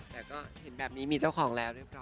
แต่ก็เห็นแบบนี้มีเจ้าของแล้วเรียบร้อ